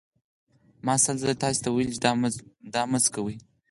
ما سل ځله تاسې ته ویلي چې دا مه څکوئ.